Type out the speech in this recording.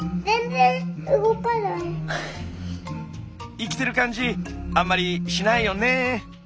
生きてる感じあんまりしないよね。